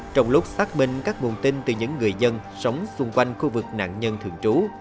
trong lúc xác minh các nguồn tin từ những người dân sống xung quanh khu vực nạn nhân thường trú